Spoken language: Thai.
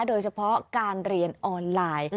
โดยเฉพาะการเรียนออนไลน์